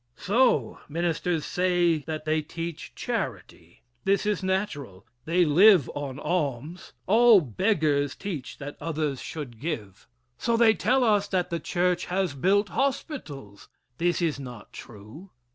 So, ministers say that they teach charity. This is natural. They live on alms. All beggars teach that others should give. So, they tell us that the church has built hospitals. This is not true.